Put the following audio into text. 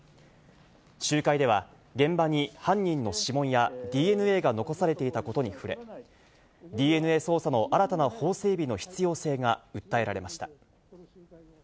集会では、現場に犯人の指紋やＤＮＡが残されていたことに触れ、ＤＮＡ捜査の新たな法整備の必要性が訴えられました。